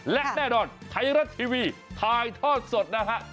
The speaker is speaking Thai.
และแน่นอนไทยรัฐทีวีถ่ายทอดสดนะฮะ